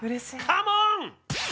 カモン！